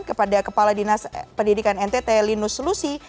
kepada kepala dinas pendidikan ntt linus lusi